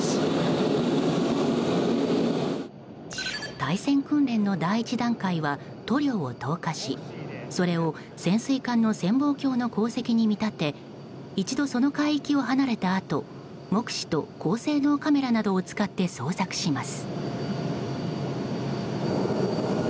対潜訓練の第１段階は塗料を投下しそれを潜水艦の潜望鏡の航跡に見立て一度その海域を離れたあと目視と高性能カメラなどを使って捜索します。